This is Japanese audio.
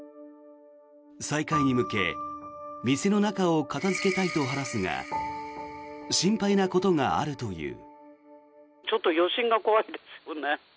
再開に向け店の中を片付けたいと話すが心配なことがあるという。